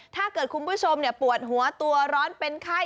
ถ้าเกิดคุณผู้ชมปวดหัวตัวร้อนเป็นไข้